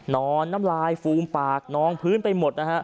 นอนน้ำลายฟูอุ้มปากหนองพื้นไปหมด